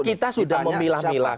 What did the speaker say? kita sudah memilah milah